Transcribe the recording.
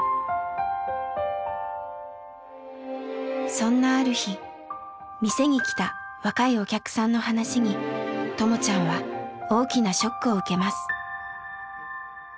そんなある日店に来た若いお客さんの話にともちゃんは大きなショックを受けます。